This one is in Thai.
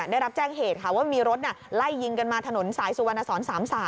ได้รับแจ้งเหตุค่ะว่ามีรถไล่ยิงกันมาถนนสายสุวรรณสอน๓๓